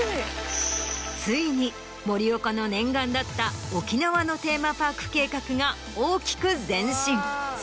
ついに森岡の念願だった沖縄のテーマパーク計画が大きく前進。